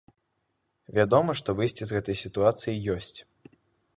Вядома, што выйсце з гэтай сітуацыі ёсць.